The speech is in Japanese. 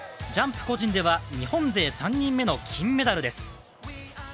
ジャンプ個人では日本勢３人目の金メダルです。